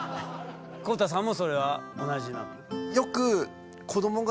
公太さんもそれは同じなの？